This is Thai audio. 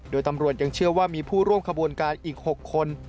โดยตำรวจยังเชื่อว่ามีผู้ร่วมขบวนการอีก๖คน